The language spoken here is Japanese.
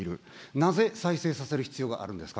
なぜ再生させる必要があるんですか。